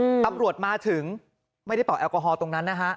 ตำรวจมาถึงไม่ได้เป่าแอลกอฮอลตรงนั้นนะฮะ